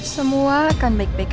semua akan baik baik